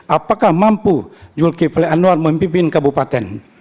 apakah mampu yul kiple anwar memimpin kabupaten